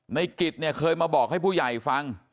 ในกิจเนี่ยเคยมาบอกให้ผู้ใหญ่ฟัง